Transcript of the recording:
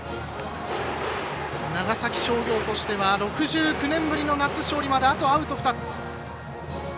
長崎商業としては６９年ぶりの夏勝利まであとアウト２つ。